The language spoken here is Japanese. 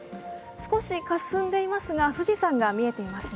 少しかすんでいますが、富士山が見えていますね。